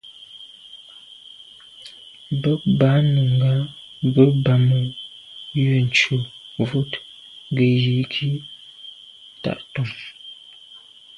Bə̀k bɑ̌ Nùngà bə̀ bɑ́mə́ yə̂ cû vút gə́ yí gí tchwatong.